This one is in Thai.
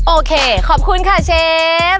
โอเคขอบคุณค่ะเชฟ